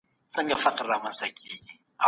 ولسي جرګه به د ښاروالانو د ټاکنو قانون تصويب کړي.